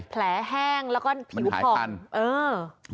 แผลแห้งแล้วก็ผิวผ่อง